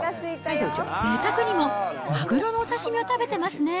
ぜいたくにもマグロのお刺身を食べてますね。